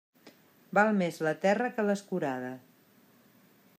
Val més la terra que l'escurada.